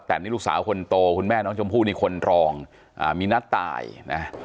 แต่นี่ลูกสาวคนโตคุณแม่น้องชมพู่นี่คนรองมีนัดตายนะ